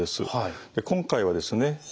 今回はですね